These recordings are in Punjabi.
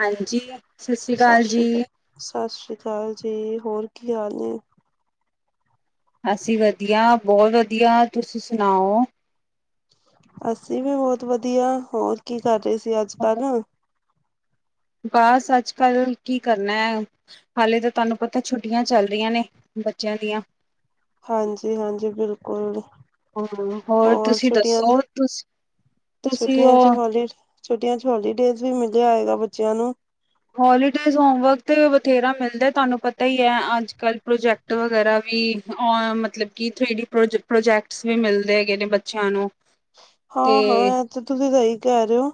ਹਾਂਜੀ, ਸਸ਼੍ਰੀ ਕਾਲ ਜੀ। ਸਾਸ਼੍ਰੀਕਾਲ ਜੀ, ਹੋਰ ਕੀ ਹਾਲ ਨੇ? ਅਸੀ ਵਦੀਆ, ਬੋਤ ਵਦੀਆ, ਤੁਸੀ ਸੁਨਾਓ? ਅਸੀ ਵੀ ਬੋਤ ਵਦੀਆ, ਹੋਰ ਕੀ ਕਰ ਰੇ ਸੀ ਅੱਜ-ਕੱਲ? ਬਾਸ ਅੱਜ-ਕੱਲ ਕੀ ਕਰਨਾ ਐ। ਹਲੇ ਤਾ ਤਾਨੂੰ ਪਤੈ ਛੁੱਟੀਆਂ ਚਲ ਰੀਆਂ ਨੇ ਬੱਚੇਆਂ ਦੀਆਂ। ਹਾਂਜੀ, ਹਾਂਜੀ ਬਿਲਕੁਲ ਹਾਂ। ਹੋਰ, ਤੁਸੀਂ ਛੁੱਟੀਆਂ ਦਾ ਦੱਸੋ ਤੁਸ ਤੁਸੀਂ ਛੁੱਟੀਆਂ ਚ ਉਹ ਹੋਲੀ ਛੁੱਟੀਆਂ ਚ ਹੋਲੀਡੇਜ਼ ਵੀ ਮਿਲੇਆ ਹੋਏਗਾ ਬੱਚਿਆਂ ਨੂੰ? ਹੋਲੀਡੇਜ਼ ਹੋਮਵਰਕ ਤੇ ਬਥੇਰਾ ਮਿਲਦੈ, ਤਾਨੂੰ ਪਤਾ ਈ ਐ ਅਜ-ਕਲ ਪ੍ਰੋਜੈਕ ਟ ਵਗੈਰਾ ਵੀ ਅਂ ਮਤਲਬ ਕਿ ਥ੍ਰੀ ਡੀ ਪ੍ਰੋਜ, ਪ੍ਰੋਜੈਕਟਸ ਵੀ ਮਿਲਦੇ ਹੈਗੇ ਨੇ ਬੱਚੇਆਂ ਨੂੰ। ਤੇ ਹਾਂ, ਹਾਂ ਐ ਤੇ ਤੁਸੀ ਸਈ ਕੈ ਰੇ ਓ,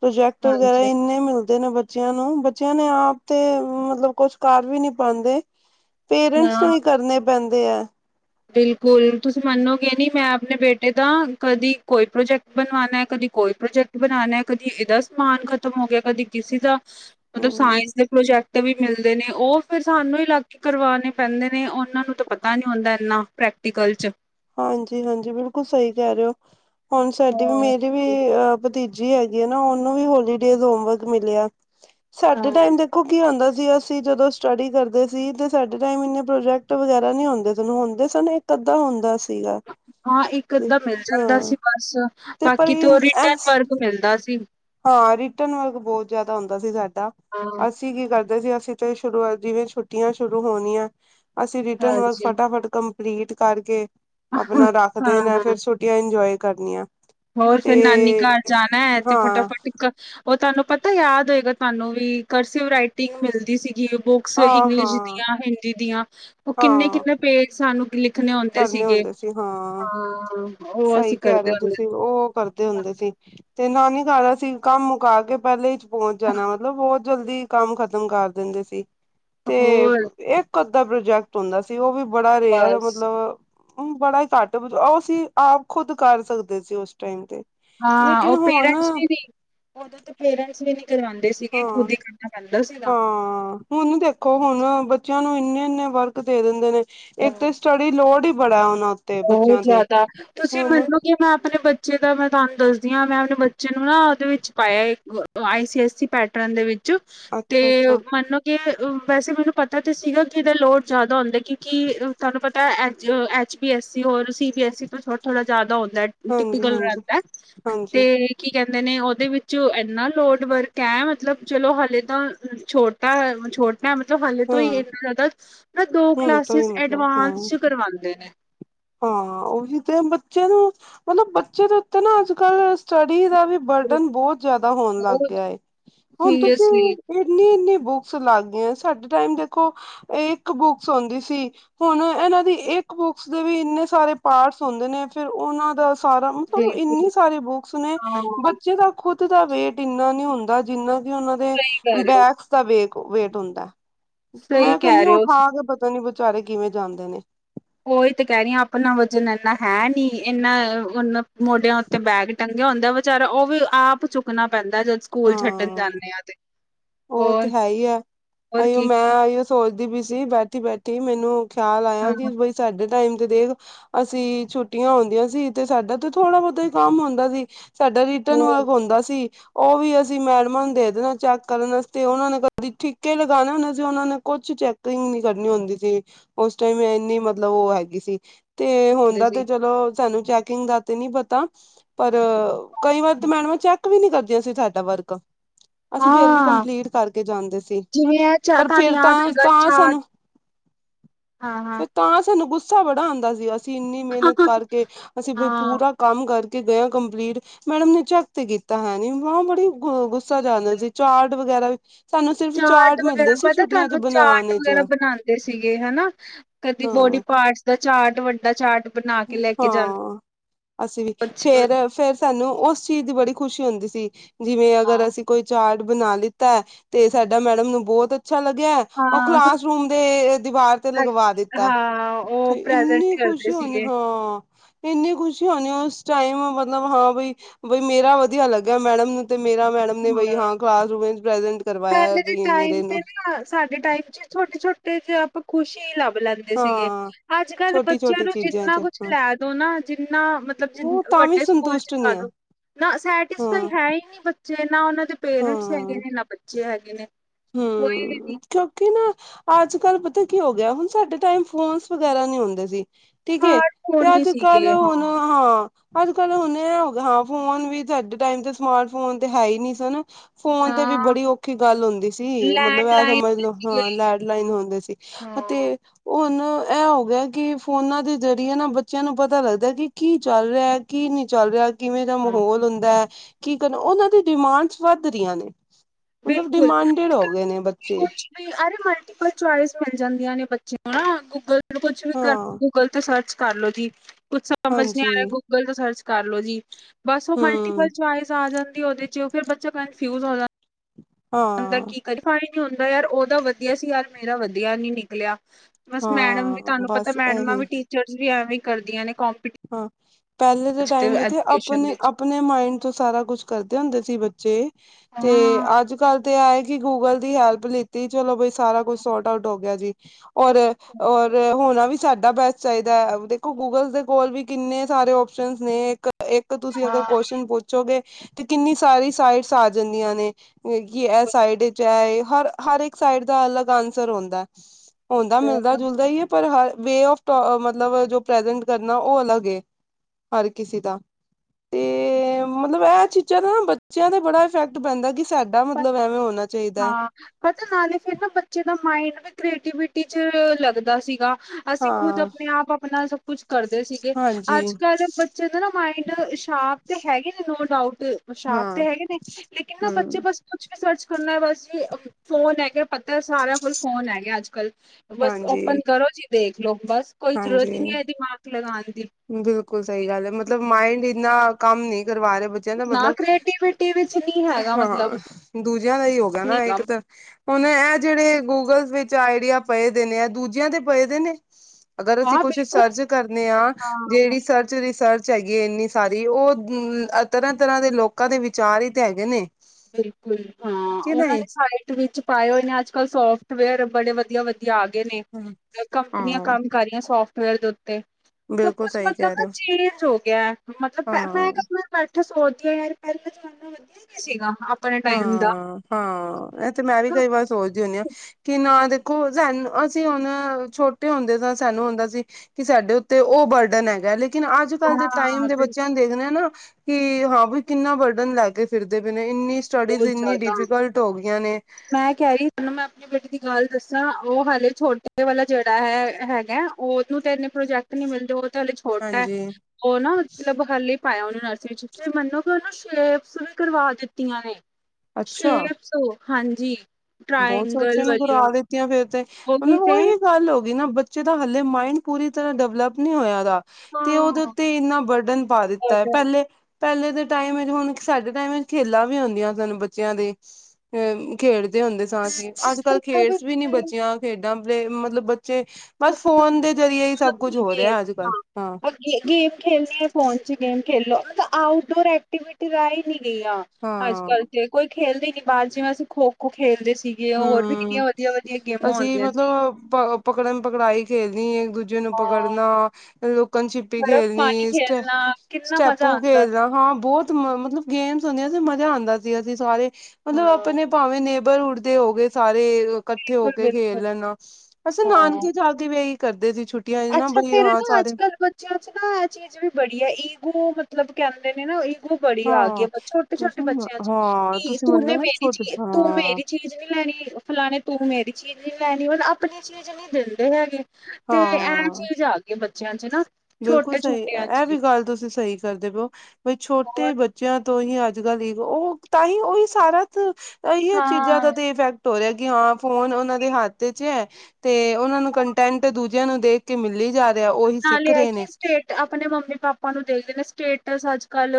ਪ੍ਰੋਜੈਕਟ ਵਗੈਰਾ ਹਾਂਜੀ ਇੰਨੇ ਮਿਲਦੇ ਨੇ ਬ ਚੇਆਂ ਨੂੰ, ਬੱਚੇਆਂ ਨੇ ਆਪ ਤੇ ਮਤਲਬ ਕੁੱਛ ਕਰ ਵੀ ਨੀ ਪਾਂਦੇ। ਪੇਰੈਂਟਸ ਤੋਂ ਹਾਂ ਈ ਕਰਨੇ ਪੈਂਦੇ ਐ। ਬਿਲਕੁਲ ਤੁਸੀ ਮੰਨੋਗੇ ਨੀ, ਮੈਂ ਅਪਨੇ ਬੇਟੇ ਦਾ ਕਦੀ ਕੋਈ ਪ੍ਰੋਜੈਕ ਬਨਵਾਨੈ, ਕਦੀ ਕੋਈ ਪ੍ਰੋਜੈਕਟ ਬਨਾਨੈ, ਕਦੀ ਇਦਾ ਸਮਾਨ ਖਤਮ ਹੋ ਗੇਆ, ਕਦੀ ਕਿਸੀ ਦਾ ਮਤਲ ਹਮ, ਸਾਇੰਸ ਦੇ ਪ੍ਰੋਜੈਕਟ ਵੀ ਮਿਲਦੇ ਨੇ ਓ ਫਿਰ ਸਾਨੂੰ ਈ ਲਗ ਕੇ ਕਰਵਾਨੇ ਪੈਂਦੇ ਨੇ, ਓਨਾਂ ਨੂੰ ਤੇ ਪਤਾ ਨੀ ਹੁੰਦੈ। ਨਾਂ ਪ੍ਰੈਕਟੀਕਲ ਚ ਹਾਂਜੀ, ਹਾਂਜੀ ਬਿਲਕੁਲ ਸਈ ਕੈਰੇ ਓ, ਹੁਨ ਸੈਟਿੰਗ ਹੋਰ ਮੇਰੀ ਵੀ ਅ ਭਤੀਜੀ ਹੈਗੀ ਐ ਨਾ, ਓਨੂੰ ਵੀ ਹੋਲੀਡੇਜ਼ ਹੋਮਵਰਕ ਮਿਲੇਆ। ਸਾਡੇ ਹਾਂ, ਟੈਮ ਦੇਖੋ ਕੀ ਆਂਦਾ ਸੀ ਅਸੀ ਜਦੋਂ ਸਟੱਡੀ ਕਰਦੇ ਸੀ ਤੇ ਸਾਡੇ ਟਾਈਮ ਇੰਨੇ ਪ੍ਰੋਜੈਕਟ ਵਗੈਰਾ ਨੀ ਹੋਂਦੇ ਸਨ, ਹੋਂਦੇ ਸਨ ਇੱਕ-ਅੱਧਾ ਹੋਂਦਾ ਹਾਂ ਇੱਕ-ਅੱਧਾ ਮਿਲ ਜਾਂਦਾ ਹਾਂ ਸੀ ਬ ਸ ਬਾਕੀ ਤੇ ਓ ਰਿਟਨ ਵਰਕ ਮਿਲਦਾ ਸੀ। ਹਾਂ, ਰਿਟਨ ਵਰਕ ਬੋਤ ਜਾਦਾ ਹੁੰਦਾ ਸੀ ਸਾਡਾ ਹਾਂ। ਅਸ ਅਸੀ ਕੀ ਕਰਦੇ ਸੀ, ਅਸੀ ਤੇ ਸ਼ੁਰੂ ਅ ਜਿਵੇਂ ਛੁੱਟੀਆਂ ਸ਼ੁਰੂ ਹੋਨੀਆਂ ਅਸੀ ਰਿਟਨ ਵਰਕ ਹਾਂਜੀ। ਫਟਾਫਟ ਕੰਪਲੀਟ ਕਰਕੇ ਅਪਨਾ ਰੱਖ ਦੇਨੈ ਹਾਂ। ਫੇਰ ਛੁ ਟਿੱਆਂ ਇੰਜੋਏ ਕਰਨੀਆਂ। ਹੋਰ ਫੇਰ ਨਾਨੀ ਤੇ ਘਰ ਜਾਨੈ ਤੇ ਹਾਂ ਫਟਾਫਟ ਓ ਤਾਨੂੰ ਪਤੈ ਯਾਦ ਹੋਏਗਾ ਤਾਨੂੰ ਵੀ ਕਰਸਿਵ ਰਾਈਟਿੰਗ ਮਿਲਦੀ ਸੀਗੀ ਬੁੱਕ ਸ ਹਾਂ ਇੰਗਲਿਸ਼ ਹਾਂ ਦੀਆਂ, ਹਿੰਦੀ ਦੀਆਂ, ਓ ਹਾਂ ਕਿੰਨੇ-ਕਿੰਨੇ ਪੇਜ ਸਾਨੂੰ ਲਿ ਖਨੇ ਹੋਂਦੇ ਕਰਨੇ ਸੀਗੇ, ਹੁੰਦੇ ਸੀ ਹਾਂ ਹਾਂ ਓ ਅਸੀ ਕਰਦੇ ਹੋਂਦੇ ਦੇ ਹੁੰਦੇ ਸੀ, ਤੇ ਨਾਨੀ ਘਰ ਅਸੀ ਕੰਮ ਮੁਕਾ ਕੇ ਪੈਲੇ ਈਚ ਪੋਂਚ ਜਾਨਾ ਮਤਲਬ ਬੋਤ ਜਲਦੀ ਕੰਮ ਖ਼ਤਮ ਕਰ ਦੇਂਦੇ ਸੀ। ਤੇ ਹੋਰ ਏਕ-ਅੱਧਾ ਪ੍ਰੋਜੈਕਟ ਹੁੰਦਾ ਸੀ ਓ ਵੀ ਬੜਾ ਰੇਅਰ ਬਸ। ਮਤ ਬ ਬੜਾ ਈ ਘੱਟ ਓ ਅਸੀ ਆਪ ਖੁੱਦ ਕਰ ਸਕਦੇ ਸੀ ਉਸ ਟਾਈਮ ਤੇ। ਹਾਂ, ਲੇਕਿਨ ਓ ਹੁਣ ਪੇਰੈਂਟਸ ਦੀ ਨੀ ਉਦੋ ਤੇ ਪੇਰੈਂਟਸ ਵੀ ਨੀ ਕਰਵਾਂਦੇ ਸੀਗੇ, ਹਾਂ ਖੁੱਦ ਈ ਕਰਨਾ ਪੈਂਦਾ ਸੀਗਾ। ਹੁਨ ਦੇਖੋ ਹੁਨ ਬੱਚੇਆਂ ਨੂੰ ਇੰਨੇ-ਇੰਨੇ ਵਰਕ ਦੇ ਦੇਂਦੇ ਨੇ, ਇੱਕ ਹਾਂ। ਤੇ ਸਟੱਡੀ ਲੋਡ ਈ ਬੜਾ ਏ ਓਨਾਂ ਬਹੁਤ ਜ਼ਾਦਾ, ਤੁਸੀ ਮਨੋ ਗੇ ਮੈ ਆਪਨੇ ਬੱਚੇ ਦਾ ਮੈ ਤਾਨ ਦੱਸਦੀ ਆਂ ਮੈਂ ਆਪਣੇ ਬੱਚੇ ਨੂੰ ਨਾ ਓਦੇ ਵਿੱਚ ਪਾਏਐ ਇੱਕ ਓ ਆਈ- ਸੀ -ਐਸ- ਸੀ ਪੈਟਰਨ ਦੇ ਵਿੱਚ। ਤੇ ਅੱਛਾ-ਅੱਛਾ, ਮੰਨੋਗੇ ਵੈਸੇ ਮੈਨੂੰ ਪਤਾ ਤੇ ਸੀਗਾ ਕਿ ਇਦਾ ਲੋਡ ਜਾਦਾ ਹੁੰਦਾ ਕਿ ਕਿ ਤਾਨੂੰ ਪਤੈ ਐਂਜ ਐਚ ਬੀ- ਐਸ ਸੀ ਹੋਰ ਸੀ ਬੀ ਐਸ ਸੀ ਤੋਂ ਥੋੜਾ-ਥੋੜਾ ਜਾਦਾ ਹੁੰਦੈ। ਟਿਪੀਕਲ ਹਾਂਜੀ-ਹਾਂਜੀ, ਹਾਂਜੀ ਰੈਂਦੈ, ਹਾਂਜੀ ਹਾਂਜੀ ਤੇ ਕੀ ਕੈਂਦੇ ਨੇ ਓਦੇ ਵਿੱਚ, ਐਨਾ ਲੋਡ ਵਰਕ ਐ ਮਤਲਬ ਚਲੋ ਹਲੇ ਤਾਂ, ਛੋਟਾ-ਛੋਟ ਮਤਲਬ ਹਾਲੇ ਤੋ ਹਾਂ ਈ ਨਾ ਜ਼ਦਾ ਦੋ ਹੁਣ ਤੋਂ ਹੀ ਕਲਾਸਿਸ ਮਤਲਬ ਹਾਂ, ਐਡਵਾਂਸ'ਚ ਕਰਵਾਂਦੇ ਨੇ। ਹਾਂ ਉਹੀ ਤੇ, ਬੱਚਿਆਂ ਨੂੰ ਮਤਲਬ ਬੱਚੇ ਦੇ ਉੱਤੇ ਨਾ ਅੱਜ-ਕੱਲ ਸਟੱਡੀ ਦਾ ਵੀ ਬਰਡਨ ਬਹੁਤ ਜਿਆਦਾ ਹੋਣ ਲੱਗ ਉਹ ਗਿਆ ਏ, ਹੁਣ ਤੁਸੀ ਸੀਰੀਅਸਲੀ ਇੰਨੀ-ਇੰਨੀ ਬੁੱਕਸ ਲੱਗ ਗਈਆਂ, ਸਾਡੇ ਟਾਈਮ ਦੇਖੋ ਇੱਕ ਬੁੱਕਸ ਹੋਂਦੀ ਸੀ, ਹੁਣ ਇਹਨਾਂ ਦੀ ਇੱਕ ਬੁੱਕਸ ਦੇ ਵੀ ਇੰਨੇ ਸਾਰੇ ਪਾਰਟਸ ਹੁੰਦੇ ਨੇ, ਫਿਰ ਉਹਨਾਂ ਦਾ ਸਾਰਾ ਮਤਲਬ ਬਿਲਕੁਲ ਇੰਨੀ ਸਾਰੇ ਬੁੱਕਸ ਨੇ, ਹਾਂ, ਬੱਚੇ ਦਾ ਖੁਦ ਦਾ ਵੇਟ ਇੰਨਾ ਨੀ ਹੁੰਦਾ। ਜਿੰਨਾ ਕਿ ਉਹਨਾ ਦੇ ਸਹੀ ਕਹਿ ਰਹੇ ਹੋ, ਬੈਕਸ ਦਾ ਵੇਕ, ਵੇਟ ਹੁੰਦਾ। ਸਹੀ ਮੈਂ ਕਹਿੰਨੀ ਕਹਿ ਆ, ਰਹੇ ਹੋ। ਉਠਾ ਕੇ ਪਤਾ ਨੀ ਵਿਚਾਰੇ ਕਿਵੇਂ ਜਾਂਦੇ ਨੇ। ਉਹੀ ਤੇ ਕਹਿ ਰਹੀ ਆਂ, ਆਪਣਾ ਵਜ਼ਨ ਇੰਨਾ ਹੈ ਨੀ, ਇਹਨਾਂ ਉਹਨਾਂ ਮੋਢਿਆਂ ਤੇ ਬੈਗ ਟੰਗਿਆ ਹੁੰਦਾ, ਵਿਚਾਰਾ ਉਹ ਵੀ ਆਪ ਚੁੱਕਣਾ ਪੈਂਦਾ ਜਦ ਸਕੂਲ ਛੱਡਣ ਹਾਂ, ਜਾਂਦੇ ਆ ਤੇ ਉਹ ਤੇ ਹੋਰ ਹੈਹੀ ਐ, ਹੋਰ ਅਈਓ ਕੀ ਮੈਂ ਅਈ ਸੋਚਦੀ ਪਈ ਸੀ ਬੈਠੀ-ਬੈਠੀ, ਮੈਨੂੰ ਖਿਆਲ ਆਇਆ ਹਾਂ ਕਿ ਬਈ ਸਾਡੇ ਟਾਈਮ ਤੇ ਦੇਖ ਅਸੀਂ ਛੁੱਟੀਆਂ ਹੋਂਦੀਆਂ ਸੀ, ਤੇ ਸਾਡਾ ਤਾਂ ਥੋੜਾ-ਬਹੁਤਾ ਈ ਕੰਮ ਹੁੰਦਾ ਸੀ। ਸਾਡਾ ਰਿਟਰਨ ਹੋਰ ਵਰਕ ਹੋਂਦਾ ਸੀ ਉਹ ਵੀ ਅਸੀਂ ਮੈਡਮਾਂ ਨੂੰ ਦੇ ਦੇਣਾ ਚੈੱਕ ਕਰਨ ਵਾਸਤੇ, ਉਹਨਾਂ ਨੇ ਕ ਠੀਕੇ ਲਗਾਣੇ, ਅਸੀਂ ਉਹਨਾਂ ਨੇ ਕੁਛ ਚੈੱਕ ਟ੍ਰਿੰਮ ਨੀ ਕੱਰਣੀ ਹੋਂਦੀ ਸੀ, ਉਸ ਟਾਈਮ ਇੰਨੀ ਮਤਲਬ ਉਹ ਹੈਗੀ ਸੀ। ਤੇ ਕਹਿੰਦੇ ਹੁੰਦਾ ਸੀ। ਤੇ ਚਲੋ, ਸਾਨੂੰ ਚੈਕਿੰਗ ਦਾ ਤੇ ਨੀ ਪਤਾ ਪਰ, ਕਈ ਵਾਰ ਤਾਂ ਮੈਡਮਾਂ ਚੈੱਕ ਵੀ ਨੀ ਕਰਦੀਆਂ ਸੀ, ਸਾਡਾ ਵਰਕ। ਅਸੀਂ ਫੇਰ ਵੀ ਹਾਂ, ਕੰਪਲੀਟ ਕਰਕੇ ਜਾਂਦੇ ਸੀ, ਜਿਵੇਂ ਇਹ ਚ ਪਰ ਤੁਹਾਨੂੰ ਫਿਰ ਤਾਂ, ਯਾਦ ਹੋਏਗਾ ਤਾਂ ਚਾਟ ਸਾਨੂੰ ਹਾਂ-ਹਾਂ, ਫਿਰ ਤਾਂ ਸਾਨੂੰ ਗੁੱਸਾ ਬੜਾ ਆਂਦਾ ਸੀ, ਅਸੀਂ ਇੰਨੀ ਮਿਹਨਤ ਹਾਂ ਕਰਕੇ, ਅਸੀ ਬਈ ਹਾਂ ਪੂਰਾ ਕੰਮ ਕਰਕੇ ਗਏ ਆ ਕੰਪਲੀਟ, ਮੈਡਮ ਨੇ ਚੈੱਕ ਤੇ ਕੀਤਾ ਹੈ ਨੀ, ਮੈਂ ਬੜੀ ਗੁੱਸ ਸਾ ਜਾਂਦਾ ਸੀ, ਚਾਰਟ ਵਗੈਰਾ ਸਾਨੂੰ ਸਿਰਫ ਚਾਟ ਚਾਰਟ ਮਿਲਦੇ ਵਗੈਰਾ ਸੀ ਪਤਾ ਛੁੱਟੀਆਂ ਚ ਤੁਹਾਨੂੰ, ਚਾਰਟ ਬਣਾਉਣ ਚ ਵਗੈਰਾ ਬਣਾਂਦੇ ਸੀਗੇ, ਹਨਾ। ਕਦੀ ਬੋਡੀ ਹਾਂ ਪਾਰਟਸ ਦਾ ਚਾਰਟ, ਵੱਡਾ ਚਾਰਟ ਬਣਾ ਕੇ ਲੈ ਕੇ ਜਾਂਦੇ ਹਾਂ, ਅਸੀਂ ਵੀ ਬੱਚੇ ਫੇਰ ਫੇਰ ਸਾਨੂੰ ਉਸ ਚੀਜ਼ ਦੀ ਬੜੀ ਖੁਸ਼ੀ ਹੁੰਦੀ ਸੀ, ਜਿਵੇਂ ਅਗਰ ਹਾਂ। ਅਸੀ ਕੋਈ ਚਾਰਟ ਬਣਾ ਲਿੱਤਾ, ਤੇ ਸਾਡਾ ਮੈਡਮ ਨੂੰ ਬਹੁਤ ਅੱਛਾ ਲੱਗਿਆ। ਉਹ ਹਾਂ, ਕਲਾਸਰੂਮ ਦੇ ਦੀਵਾਰ ਤੇ ਲਗਵਾ ਦਿੱਤਾ, ਹਾਂ ਉਹ ਤੇ ਪ੍ਰੈਜੈਂਟ ਇੰਨੀ ਕਰਦੇ ਖੁਸ਼ੀ ਹੋਨੀ, ਸੀਗੇ। ਹਾਂ। ਹਾਂ, ਇੰਨੀ ਖੁਸ਼ੀ ਹੋਣੀ ਉਸ ਟਾਈਮ ਮਤਲਬ ਹਾਂ ਬਈ ਬਈ ਮੇਰਾ ਵਧੀਆ ਲੱਗਿਆ ਮੈਡਮ ਨੂੰ, ਤੇ ਮੇਰਾ ਮੈਡਮ ਨੇ ਬਈ ਹਾਂ, ਕਲਾਸਰੂਮ ਵਿਚ ਪ੍ਰੇਜੇਂਟ ਪਹਿਲੇ ਦੇ ਟਾਈਮ ਤੇ ਨਾ, ਸਾਡੇ ਟਾਈਮ'ਚ ਛੋਟੇ-ਛੋਟੇ ਜਿਹੇ ਆਪਾਂ ਖੁਸ਼ੀ ਲੱਭ ਲੈਂਦੇ। ਸੀਗੇ, ਹਾਂ ਅੱਜ-ਕੱਲ ਛੋਟੀ ਬੱਚਿਆਂ ਛੋਟੀ ਨੂੰ ਚੀਜ਼ਾਂ ਜਿੰਨਾ ਚ ਕੁਛ ਹਾਂ ਖਿਲਾਦੋ ਨਾ, ਜਿੰਨਾ ਮਤਲ ਮਤਲਬ ਉਹ ਜ ਤਾਂ ਵੀ ਵੱਡੇ ਸਕੂਲ'ਚ ਸੰਤੁਸ਼ਟ ਨੀ ਆ ਪਾਦੋ, ਨਾ ਸੈਟਿਸਫਾਈ ਹਾਂ ਹੈ ਹੀ ਨਹੀਂ ਬੱਚੇ, ਨਾ ਉਹਨਾਂ ਦੇ ਪੇਰੈਂਟਸ ਹੈਗੇ ਨੇ, ਨਾ ਬੱਚੇ ਹੈਗੇ ਨੇ। ਕੋਈ ਵੀ ਨੀ ਹੂੰ ਕਿਉਂਕਿ ਨਾ, ਅੱਜ-ਕਲ ਪਤਾ ਕੀ ਹੋਗਿਆ, ਹੁਣ ਸਾਡੇ ਟਾਈਮ ਫੋਨਸ ਵਗੈਰਾ ਨਹੀਂ ਹੁੰਦੇ ਸੀ। ਠੀਕ ਏ, ਸਮਾਰਟ ਤੇ ਫੋਨ ਨੀ ਅੱਜ-ਕੱਲ ਸੀਗੇ ਹਾਂ। ਹੁਣ, ਹਾਂ ਅੱਜ-ਕੱਲ ਹੁਣ ਹੋ, ਹਾਂ ਫੋਨ ਵੀ ਸਾਡੇ ਟਾਈਮ ਤੇ ਸਮਾਰਟ ਫੋਨ ਤੇ ਹੈ ਹੀ ਨਹੀਂ ਸਨ। ਫੋਨ ਤੇ ਵੀ ਹਾਂ ਬੜੀ ਔਖੀ ਗੱਲ ਹੋਂਦੀ। ਮਤਲਬ ਐ ਲੈਂਡਲਾਈਨ ਸਮਝਲੋ, ਸੀਗੇ ਹਾਂ ਲੈਂਡ- ਲਈਨ ਹੁੰਦੇ ਸੀ, ਹਾਂ ਤੇ ਹੁਨ, ਐ ਹੋਗਿਆ ਕਿ ਫੋਨਾਂ ਦੇ ਜਰੀਏ ਨਾ ਬੱਚਿਆਂ ਨੂੰ ਪਤਾ ਲੱਗਦਾ ਕਿ ਕੀ ਚੱਲ ਰਿਹਾ। ਕੀ ਨਹੀਂ ਚੱਲ ਰਿਹਾ, ਕਿਵੇਂ ਦਾ ਮਾਹੌਲ ਹੁੰਦੈ, ਕੀ ਕਰਨਾ ਉਹਨਾਂ ਦੀ ਡਿਮਾਂਡਸ ਵੱਧ ਰਹੀਆਂ ਨੇ। ਮਤਲਬ ਬਿਲਕੁਲ ਡਿਮਾਂਡਡ ਹੋ ਗਏ ਨੇ ਬੱਚੇ ਕੁਛ ਅਰੇ ਮਲਟੀਪਲ ਚੁਆਇਸ ਮਿਲ ਜਾਂਦੀਆਂ ਨੇ ਬੱਚੇਆਂ ਗੂਗੱਲ ਕੁਛ ਵੀ ਕਰਨਾ ਹਾਂ ਗੂਗਲ ਤੇ ਸਰਚ ਕਰਲੋ ਜੀ ਕੁਛ ਸਮਝ ਨੀ ਆ ਹਾਂਜੀ ਰਿਹਾ ਗੂਗਲ ਗੂਗਲ ਤੋਂ ਸਰਚ ਕਰਲੋ ਜੀ ਬਸ ੳਹ ਹੂੰ ਮਲਟੀਪਲ ਚੁਆਇਸ ਆ ਜਾਂਦੀ ੳਦੇ ਚ ਫੇਰ ਬੱਚਾ ਕਨਫਿਊਜ ਹੋ ਜਾਂਦਾ ਬੰਦਾ ਹਾਂ ਕੀ ਕਰੇ ਨੀ ਹੁੰਦਾ ਯਾਰ ੳਦਾ ਵਧੀਆ ਸੀ ਯਾਰ, ਮੇਰਾ ਵਧੀਆ ਨੀ ਨਿਕਲਿਆ। ਬਸ ਮੈਡਮ ਵੀ ਹਾਂ ਤਾਨੂੰ ਪਤਾ ਬਸ ਮੈਡਮਾਂ ਇਹੀ ਵੀ ਟੀਚਰਸ ਵੀ ਐਵੇਂ ਹੀ ਕਰਦੀਆਂ ਨੇ ਕੋੰਪੀਟਿ ਹਾਂ ਪੈਲੇ ਦੇ ਟਾਈਮ ਦੇ ਤੇ ਅਪਨੇ ਅਪ ਵਿੱਚ ਅਪਨੇ ਮਾਇੰਡ ਤੋਂ ਸਾਰਾ ਕੁਛ ਕਰਦੇ ਹੁੰਦੇ ਸੀ ਬੱਚੇ ਤੇ ਹਾਂ ਅੱਜਕਲ ਤੇ ਆਏ ਕਿ ਗੂਗਲ ਦੀ ਹੈਲਪ ਲਿੱਤੀ, ਚਲੋ ਬਈ ਸਾਰਾ ਕੁਛ ਸੋਟ ਆਊਟ ਹੋ ਗਿਆ ਜੀ ਔਰ ਔਰ ਹੋਨਾ ਵੀ ਸਾਡਾ ਬੈਸਟ ਚਾਈਦਾ ਦੇਖੋ ਗੂਗਲ ਦੇ ਕੋਲ ਵੀ ਕਿੰਨੇ ਸਾਰੇ ਔਪਸ਼ਨ ਨੇ। ਇੱਕ, ਇੱਕ ਤੁਸੀ ਅਗਰ ਕੋਸ਼ਚਨ ਪੁੱਛ ਪੁਛੋਗੇ ਤੇ ਕਿੰਨੀ ਸਾਰੀ ਸਾਈਡਸ ਆ ਜਾਂਦੀਆਂ ਨੇ ਕਿ ਏਹ ਸਾਈਡ ਇਚ ਐ ਏ। ਹਰ ਹਰ ਏਕ ਸਾਈਡ ਦਾ ਅਲੱਗ ਆਨਸਰ ਹੁੰਦਾ, ਹੁੰਦਾ ਹਾਂ ਮਿਲਦਾ-ਜੁਲਦਾ ਈ ਏ ਪਰ ਹਰ ਵੇ ਆੱਫ ਟਾ ਮਤਲਬ ਜੋ ਪ੍ਰੇਜੈਂਟ ਕਰਨਾ ੳਹ ਅਲੱਗ ਏ ਹਰ ਕਿਸੇ ਦਾ। ਤੇ ਮਤਲਬ ਏ ਚੀਜ਼ਾਂ ਦਾ ਨਾ ਬੱਚੇਆਂ ਤੇ ਬੜਾ ਇਫੈਕਟ ਪੈਂਦਾ ਕਿ ਸਾਡਾ ਮਤਲਬ ਐਵੇਂ ਹੋਨਾ ਚਾਈਦਾ। ਹਾਂ ਪਤਾ ਨਾਲੇ ਫੇਰ ਨਾ ਬੱਚੇ ਦਾ ਮਾਇੰਡ ਵੀ ਕ੍ਰੀਏਟੀਵਿਟੀ ਚ ਲੱਗਦਾ ਸੀਗਾ। ਅਸੀ ਖੁਦ ਹਾਂ ਅਪਨੇ ਆਪ ਅਪਨਾ ਸਭ ਕੁਛ ਕਰਦੇ ਸੀਗੇ। ਹਾਂਜੀ ਅੱਜ ਕੱਲ ਬੱਚੇਆਂ ਦੇ ਨਾ ਮਾਇੰਡ ਸ਼ਾਰਪ ਤੇ ਹੈਗੇ ਨੇ, ਨੋ ਡਾਉਟ ਸਾ਼ਰਪ ਹਾਂ ਤੇ ਹੈਗੇ ਨੇ, ਲੇਕਿਨ ਨਾ ਬੱਚੇ ਹਮ ਬਸ ਕੁਛ ਵੀ ਸਰਚ ਕਰਨਾ ਬਸ ਜੀ ਫੋਨ ਹੈਗਾ, ਪਤਾ ਏ ਸਾਰੇਆਂ ਕੋਲ ਫੋਨ ਹੈਗਾ ਅੱਜ ਕੱਲ ਬਸ ਹਾਂਜੀ ਔਪਨ ਕਰੋ ਜੀ ਦੇਖ ਲਓ, ਬਸ ਕੋਈ ਹਾਂਜੀ ਜਰੂਰਤ ਹੀ ਨਈ ਹੈ ਦਿਮਾਗ ਲਗਾਨ ਦੀ। ਬਿਲਕੁਲ ਸਹੀ ਗੱਲ ਏ, ਮਤਲਬ ਮਾਇੰਡ ਇਨਾ ਕੰਮ ਨਈ ਕਰਵਾ ਰੇ ਜੇਂਦਾ ਨਾ ਮਤਲਬ ਕ੍ਰੀਏਟੀਵਿਟੀ ਵਿੱਚ ਨਹੀਂ ਹੈਗਾ ਮਤਲਬ ਹਾਂ ਦੂਜੇਆਂ ਦਾ ਹੀ ਹੋ ਗਿਆ ਨਹੀਂ ਨਾ ਹੈਗਾ। ਇੱਕ ਤਰਾਂ। ਹੁਨ ਏਹ ਜੇੜੇ ਗੂਗਲ ਵਿੱਚ ਆਈਡੀਆ ਪਏ ਦੇ ਨੇ, ਏਹ ਦੂਜਿਆਂ ਦੇ ਪਏ ਦੇ ਨੇ। ਅਗਰ ਅਸੀ ਹਾਂ ਕੁਛ ਬਿਲਕੁਲ ਸਰਚ ਕਰਨੇ ਆ ਹਾਂ ਜੇੜੀ ਸਰਚ ਰਿਸਰਚ ਹੈਗੀ ਹੈ ਏਨੀ ਸਾਰੀ ੳਹ ਤਰਾਂ ਤਰਾਂ ਦੇ ਲੋਕ ਕਾਂ ਦੇ ਵਿਚਾਰ ਹੀ ਤੇ ਹੈਗੇ ਨੇ। ਬਿਲਕੁਲ ਹਾਂ ਕਿ ੳਨਾਂ ਨਹੀਂ ਦੇ ਸਾਇਡ ਵਿੱਚ ਪਾਏ ਹੋਏ ਨੇ, ਅੱਜ ਕਲ ਸੋਫਟਵੇਅਰ ਬੜੇ ਵਧੀਆ ਵਧੀਆ ਆ ਗਏ ਨੇ। ਕੰਪਨੀਆਂ ਹਾਂ ਕੰਮ ਕਰ ਰੀਆਂ ਸੋਫਟਵੇਅਰ ਦੇ ਉੱਤੇ। ਸਭ ਬਿਲਕੁਲ ਕੁਛ ਸਹੀ ਮਤਲਬ ਕਹਿ ਨਾ ਰਹੇ ਹੋ ਚੇਂਜ ਹੋ ਗਿਆ, ਮਤਲਬ ਹਾਂ ਮੈਂ ਬੈਠੇ ਸੋਚਦੀ ਆ ਯਾਰ ਪੈਲੇ ਜਮਾਨਾ ਵਧੀਆ ਨੀ ਸੀਗਾ ਅਪਨੇ ਟਾਈਮ ਦਾ। ਹਾਂ ਹਾਂ, ਏ ਤੇ ਮੈਂ ਵੀ ਹਨਾ। ਕਈ ਵਾਰ ਸੋਚਦੀ ਹੁੰਨੀ ਆ ਕਿ ਨਾ ਦੇਖੋ ਸਾਨੂੰ ਅਸੀ ਹੁਨ ਛੋਟੇ ਹੁੰਦੇ ਸਾ, ਸਾਨੂੰ ਹੁੰਦਾ ਸੀ ਕਿ ਸਾਡੇ ਉਤੇ ਉਹ ਬਰਡਨ ਹੈਗਾ ਲੇਕਿਨ ਅੱਜ ਕਲ ਦੇ ਟਾਈਮ ਹਾਂ, ਦੇ ਬਿਲ ਬੱਚੇਆਂ ਨੂੰ ਦੇਖਨੇ ਆ ਨਾ ਕਿ ਹਾਂ ਵੀ ਕਿਨਾ ਬਰਡਨ ਲੈਕੇ ਫਿਰਦੇ ਪਏ ਨੇ। ਇਨੀ ਸਟਡੀਜ ਬਹੁਤ ਇਨੀ ਜ਼ਿਆਦਾ ਡਿਫੀਕਲਟ ਹੋ ਗਈਆਂ ਨੇ ਮੈਂ ਕੈ ਦੀ ਹੁਨ ਮੈਂ ਬੇਟੀ ਦੀ ਗੱਲ ਦੱਸਾਂ ੳਹ ਹਾਲੇ ਛੋਟੇ ਵਾਲਾ ਜੇੜਾ ਹੈ ਹੈਗਾ ੳਨੂੰ ਤੇ ਏਨੇ ਪ੍ਰੋਜੈਕਟ ਨੀ ਮਿਲਦੇ, ੳ ਤਾਂ ਹਾਲੇ ਛੋਟਾ ਐ, ਹਾਂਜੀ ੳ ਨਾ ਮਤਲਬ ਹਾਲੇ ਪਾਏਆ ੳਨੂੰ ਨਰਸਰੀ ਚ, ਤੇ ਮਨੋਗੇ ੳਨੂੰ ਸ਼ੇਪਸ ਵੀ ਕਰਵਾ ਦਿੱਤੀਆਂ ਨੇ। ਅੱਛਾ ਸੇ਼ਪਸ ਹਾਂਜੀ। ਬਹੁਤ ਟਰਾਇੰਗਲ ਸੋਚੇ ਨੂੰ ਵਾਲੀਆਂ ਘਰਾ ਦਿੱਤੀਆਂ ਫੇਰ ਤੇ ਮਤਲਬ ਉਹੀ ਗੱਲ ਹੋ ਗਈ ਨਾ ਬੱਚੇ ਦਾ ਹਲੇ ਮਾਇੰਡ ਪੂਰੀ ਤਰ੍ਹਾਂ ਡਿਵਲਪ ਨੀ ਹੋਇਆ ਦਾ ਤੇ ਉਦੇ ਹਾਂ ਉੱਤੇ ਇੰਨਾ ਬਰਡਨ ਪਾ ਦਿੱਤਾ ਆ ਬਟਨ ਪਹਿਲੇ ਪਹਿਲੇ ਦੇ ਟਾਈਮ ਵਿੱਚ ਹੁਣ ਸਾਡੇ ਟਾਈਮ ਵਿੱਚ ਖੇਲਾਂ ਵੀ ਹੁੰਦੀਆਂ ਸਨ ਬੱਚਿਆਂ ਦੇ ਅ ਖੇਡ ਖੇਡਦੇ ਹੁੰਦੇ ਸਾਂ ਅਸੀਂ ਅੱਜ-ਕੱਲ ਖੇਡਸ ਵੀ ਨੀ ਬੱਚੇਆਂ ਖੇਡਾਂ ਪਲੇ ਮਤਲਬ ਬੱਚੇ ਬਸ ਫੋਨ ਦੇ ਜ਼ਰੀਏ ਹੀ ਸਭ ਕੁੱਝ ਹੋ ਰਿਹਾ ਅੱਜ ਹਾਂ। ਕੱਲ ਹਾਂ ਪਰ ਗੇਮ ਖੇਡਣੀ ਆ ਫੋਨ 'ਚ ਹੀ ਗੇਮ ਖੇਲ ਲੋ ਮਤਲਬ ਆਊਟਡੋਰ ਐਕਟੀਵਿਟੀ ਰੈ ਹੀ ਨੀ ਗਈਆਂ ਹਾਂ ਅੱਜ-ਕੱਲ ਤੇ ਕੋਈ ਖੇਲਦੇ ਨੀ ਬਾਰ ਜਿਵੇਂ ਅਸੀਂ ਖੋ-ਖੋ ਖੇਲਦੇ ਸੀ ਹੋਰ ਵੀ ਹਮ ਕਿਨੀਆਂ ਵਧੀਆ-ਵਧੀਆ ਗੇਮਾਂ ਅਸੀਂ ਆਉਂਦੀਆਂ ਸੀ। ਮਤਲਬ ਪ ਪਕੜਨ ਪਕੜਾਈ ਖੇਲਣੀ ਇੱਕ-ਦੂਜੇ ਨੂੰ ਹਾਂ ਪਕੜਨਾ ਲੁਕਣ-ਛਿੱਪੀ ਬਰਫ਼ ਪਾਣੀ ਖੇਲਣੀ ਸਟੈ ਖੇਲਣਾ ਕਿੰਨਾ ਮਜ਼ਾ ਸਟੈਪੂ ਆਉਂਦਾ ਖੇਲਣਾ ਹਾਂ ਬਹੁਤ ਮਤਲਬ ਗੇਮਸ ਹੁੰਦੀਆਂ ਸੀ। ਮਜ਼ਾ ਆਂਦਾ ਸੀ। ਅਸੀਂ ਸਾਰੇ ਮਤਲਬ ਹਾਂ, ਆਪਣੇ ਭਾਵੇਂ ਨੇਬਰ ਹੁੱਡ ਦੇ ਹੋ ਗਏ ਸਾਰੇ ਇਕੱਠੇ ਹੋ ਕੇ ਖੇਲ ਬਿਲਕੁਲ-ਬਿਲਕੁਲ, ਲੈਣਾ। ਅਸੀਂ ਹਾਂ। ਨਾਨਕੀ ਵੀ ਇਹੀ ਕਰਦੇ ਸੀ। ਛੁੱਟੀ ਅੱਛਾ ਫੇਰ ਨਾ ਅੱਜ-ਕੱਲ ਬੱਚਿਆਂ 'ਚ ਨਾ ਐ ਚੀਜ਼ ਵੀ ਬੜੀ ਆ। ਈਗੋ ਮਤਲਬ ਕਹਿੰਦੇ ਨੇ ਨਾ ਈਗੋ ਬੜੀ ਆ ਹਾਂ ਗਈ ਛੋਟੇ-ਛੋਟੇ ਤੁਸੀਂ ਬੱਚਿਆਂ 'ਚ ਹਾਂ ਕੀ ਤੁਸੀਂ ਤੂੰ ਮੰਨੋਗੇ ਮੇਰੀ ਛੋਟ ਚੀਜ਼ ਤੂੰ ਹਾਂ ਮੇਰੀ ਚੀਜ਼ ਨੀ ਲੈਣੀ ਫਲਾਣੇ ਤੂੰ ਮੇਰੀ ਚੀਜ਼ ਨੀ ਲੈਣੀ। ਹੁਣ ਆਪਣੀ ਚੀਜ਼ ਨੀ ਦਿੰਦੇ ਹੈਗੇ ਹਾਂ। ਜਾ ਕੇ ਬੱਚਿਆਂ 'ਚ ਨਾ। ਬਿਲਕੁਲ ਸਹੀ, ਛੋਟੇ-ਛੋਟਿਆਂ 'ਚ ਐ ਵੀ ਈ ਗੱਲ ਤੁਸੀਂ ਸਈ ਕਰਦੇ ਪਓ। ਵੀ ਛੋਟੇ ਹੋਰ ਬੱਚੇ ਬੱਚਿਆਂ ਤੋਂ ਹੀ ਅੱਜ-ਕੱਲ ਈਗੋ ਓ ਤਾਂਹੀ ਉਹੀ ਸਾਰਾ ਇਹੀ ਚੀਜ਼ਾਂ ਦਾ ਹਾਂ। ਤੇ ਫੇਕਟ ਹੋ ਰਿਹਾ ਕਿ ਹਾਂ ਫੋਨ ਉਨਾਂ ਦੇ ਹੱਥ 'ਚ ਐ ਤੇ ਉਨਾਂ ਨੂੰ ਕੰਟੈਂਟ ਦੂਜਿਆਂ ਨੂੰ ਦੇਖ ਕੇ ਮਿਲੀ ਜਾ ਰਿਹਾ। ਉਹੀ ਐ ਆ ਰਹੇ ਨੇ ਕੇ ਸਟੇਟ। ਤੇ ਆਪਣੇ ਮੰਮੀ-ਪਾਪਾ ਨੂੰ ਦੇਖਦੇ ਨੇ ਸਟੇਟਸ ਅੱਜ-ਕੱਲ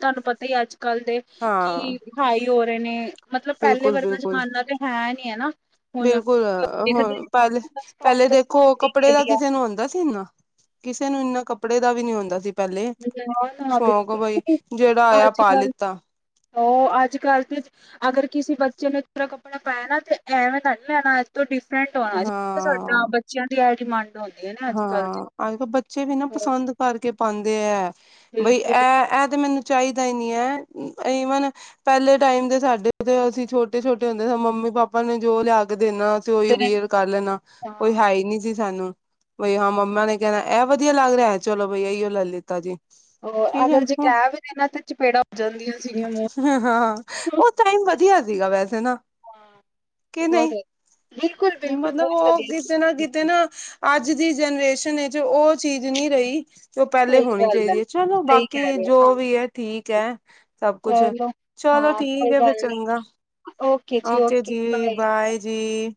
ਤੁਹਾਨੂੰ ਪਤਾ ਹੀ ਅੱਜ-ਕੱਲ ਦੇ। ਹਾਂ ਕੀ ਹਾਈ ਹੋ ਰਹੇ ਨੇ। ਮਤਲਬ, ਪਹਿਲੇ ਬਿਲਕੁਲ ਵਰਗਾ ਬਿਲਕੁਲ ਜ਼ਮਾਨਾ ਤੇ ਹੈ ਨੀ ਹੈ‌ ਨਾ ਹੁਣ ਬਿਲਕੁਲ ਹੁਣ ਪਹਿਲੇ ਪਹਿਲੇ ਦੇਖੋ ਕੱਪੜੇ ਦਾ ਏਰੀਆ ਕਿਸੇ ਨੂੰ ਹੁੰਦਾ ਸੀ ਇੰਨਾ ਕਿਸੇ ਨੂੰ ਇੰਨਾ ਕੱਪੜੇ ਦਾ ਵੀ ਨੀ ਹੁੰਦਾ ਸੀ। ਪਹਿਲੇ ਨਾ ਨਾ ਸ਼ੌਂਕ ਬਿਲਕੁਲ ਬਾਈ, ਵੀ ਜਿਹੜਾ ਆਇਆ ਪਾ ਲਿੱਤਾ। ਓ ਅੱਜ-ਕੱਲ ਤੇ ਅਗਰ ਕਿਸੀ ਬੱਚੇ ਨੇ ਪਰਾਨਾ ਕੱਪੜਾ ਪੈਨਾ ਤੇ ਐਵੇਂ ਦਾ ਨੀ ਲੈਣਾ ਤੋਂ ਡਿਫਰੈਂਟ ਹੋਣਾ, ਜਿਵੇਂ ਹਾਂ ਸਾਡਾ ਬੱਚਿਆਂ ਦੀ ਐ ਡਿਮਾਂਡ। ਹੁੰਦੀਆਂ ਨੇ ਅੱਜ ਕੱਲ ਹਾਂ ਅੱਜ-ਕੱਲ ਬੱਚੇ ਵੀ ਨਾ ਪਸੰਦ। ਕਰਕੇ ਪਾਂਦੇ ਐ ਬਈ ਬਿਲਕੁਲ ਐ ਐ ਤਾਂ ਮੈਨੂੰ ਚਾਈਦਾ ਹੀ ਨਈ ਐ। ਈਵਨ ਪਹਿਲੇ ਟਾਈਮ ਦੇ ਸਾਡੇ। ਅਸੀਂ ਛੋਟੇ-ਛੋਟੇ ਹੁੰਦੇ ਸੀ ਮੰਮੀ ਪਾਪਾ ਨੇ ਜੋ ਲਿਆ ਕੇ ਦੇਣਾ। ਤੋਂ ਉਹੀ ਤੇ ਵੀਅਰ ਕਰ ਲੈਣਾ। ਹਾਂ ਕੋਈ ਹੈ ਹੀ ਨੀ ਸੀ। ਸਾਨੂੰ ਬਈ ਹਾਂ ਮੰਮਾ ਨੇ ਕਹਿਣਾ ਐ ਵਧੀਆ ਲੱਗ ਰਿਹਾ ਆ ਚਲੋ ਬਈ ਇਓ ਲੈ ਲਿੱਤਾ ਜੀ। ਠੀਕ ਹੈ ਅਗਰ ਜੇ ਕਹਿ ਵੀ ਦੇਨਾ ਤੇ ਚਪੇੜਾਂ ਹੋ ਜਾਂਦੀਆਂ ਸੀਗੀਆਂ। ਹੂੰ, ਹਾਂ। ਨੂੰ। ਓ ਟਾਈਮ ਵਧੀਆ ਸੀਗਾ ਵੈਸੇ ਨਾ। ਹਾਂ। ਕੀ ਬਹੁਤ ਨਹੀ ਬਿਲਕੁਲ ਬਿਲਕੁਲ ਮਤਲਬ ਬਹੁਤ ਓ ਵਧੀਆ ਕਿਤੇ ਨਾ ਕਿਤੇ ਸੀ। ਨਾ। ਅੱਜ ਦੀ ਜਨਰੇਸ਼ਨ ਵਿੱਚ ਓ ਚੀਜ਼ ਨਹੀਂ ਰਹੀ। ਜੋ ਪਹਿਲੇ ਸਹੀ ਹੋਣੀ ਗੱਲ ਹੈ, ਚਾਈਦੀ ਆ। ਚਲੋ ਸਹੀ ਕਹਿ ਬਾਕੀ ਰਹੇ ਹੋ ਜੋ ਵੀ ਐ। ਠੀਕ ਆ ਸਭ ਕੁਛ। ਹਾਂ ਚਲੋ ਹਾਂ ਠੀਕ ਕੋਈ ਹੈ, ਫਿਰ ਗੱਲ ਨੀ ਚੰਗਾ, ਓਕੇ ਜੀ, ਬਾਏ ਜੀ।